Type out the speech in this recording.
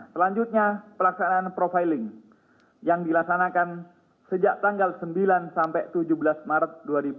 selanjutnya pelaksanaan profiling yang dilaksanakan sejak tanggal sembilan sampai tujuh belas maret dua ribu dua puluh